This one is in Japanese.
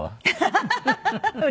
ハハハハ。